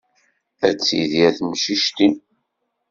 Ad tidir temcict-im.